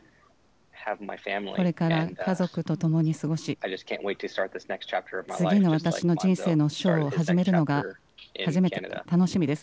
これから家族と共に過ごし、次の私の人生のショーを始めるのが楽しみです。